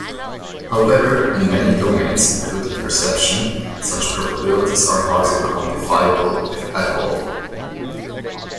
However, in many domains, including perception, such probabilities are hardly quantifiable, if at all.